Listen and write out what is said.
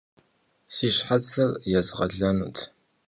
Si şhetsır yêzğelenut.